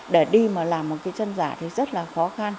để đi mà làm một cái chân giả thì rất là khó khăn